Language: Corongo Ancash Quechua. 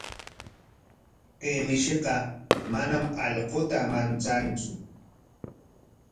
Kay mishiqa manam allquta manchantsu.